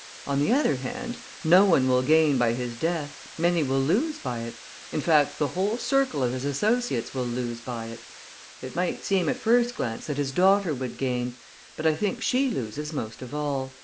On the other hand, no one will gain by his death many will lose by it in fact, the whole circle of his associates will lose by it. It might seem, at first glance, that his daughter would gain; but I think she loses most of all.